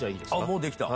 もうできた？